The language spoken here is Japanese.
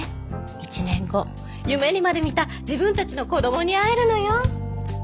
１年後夢にまで見た自分たちの子供に会えるのよ。